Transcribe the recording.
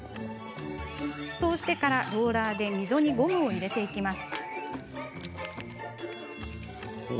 そうしてから、ローラーで溝にゴムを入れていきます。